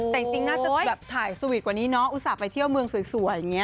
แต่จริงน่าจะแบบถ่ายสวีทกว่านี้เนาะอุตส่าห์ไปเที่ยวเมืองสวยอย่างนี้